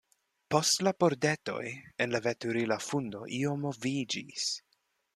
Post la pordetoj en la veturila fundo io moviĝis.